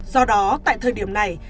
do đó tại thời điểm này